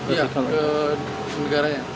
iya ke negaranya